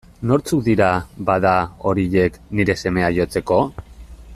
Nortzuk dira, bada, horiek, nire semea jotzeko?